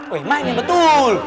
weh mainnya betul